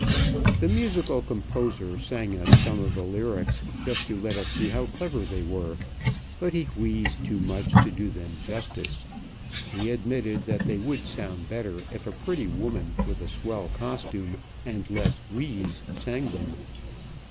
The musical composer sang us some of the lyrics, just to let us see how clever they were; but he wheezed too much to do them justice. He admitted that they would sound better if a pretty woman with a swell costume and less wheeze sang them.